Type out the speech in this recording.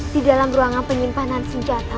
di dalam ruangan penyimpanan senjata